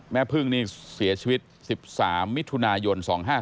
แม่พึ่งนี่เสียชีวิต๑๓มิถุนายน๒๕๕๙